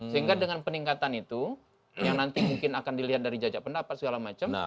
sehingga dengan peningkatan itu yang nanti mungkin akan dilihat dari jajak pendapat segala macam